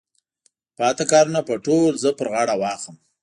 پاتې کارونه به ټول زه پر غاړه واخلم.